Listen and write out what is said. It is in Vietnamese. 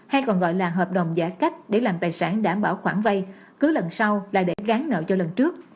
hay còn gọi là hợp đồng giả cách để làm tài sản đảm bảo khoản vay cứ lần sau là để gán nợ cho lần trước